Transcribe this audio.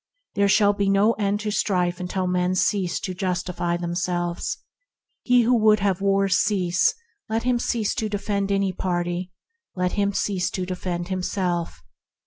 There shall be no end to strife until men cease to justify themselves. He who would have wars cease let him cease to defend any party; let him cease to defend himself.